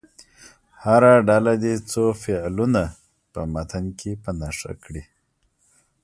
هره ډله دې څو فعلونه په متن کې په نښه کړي.